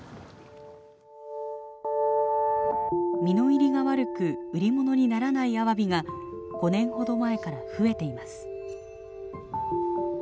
身の入りが悪く売り物にならないアワビが５年ほど前から増えています。